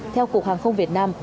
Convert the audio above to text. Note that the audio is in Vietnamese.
theo cục hàng không việt nam